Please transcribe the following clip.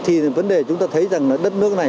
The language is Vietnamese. thì vấn đề chúng ta thấy rằng là đất nước này